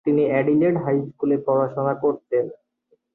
তিনি Adelaide high স্কুলে পড়াশোনা করতেন।